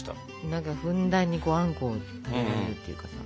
何かふんだんにあんこを食べられるっていうかさ。